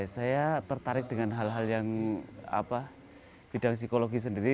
saya tertarik dengan hal hal yang bidang psikologi sendiri